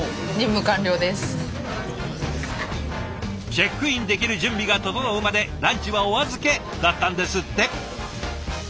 チェックインできる準備が整うまでランチはお預けだったんですって！